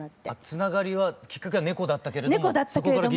つながりはきっかけは猫だったけれども。